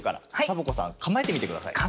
サボ子さんかまえてみてください。